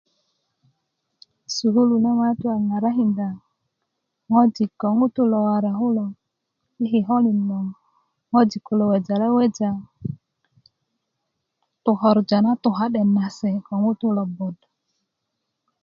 sukulu na ma tu a ŋarakinda ŋojik ko ŋutu lo wora kulo i kikölin loŋ ŋojik wejalweja tokorja na tuka'de na se ko ŋuti lo bot